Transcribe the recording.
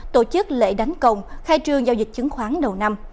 tổ chức lễ đánh công khai trương giao dịch chứng khoán đầu năm